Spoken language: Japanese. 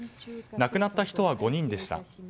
亡くなった人は５人でした。